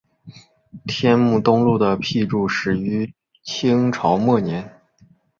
天目东路的辟筑始于清朝末年。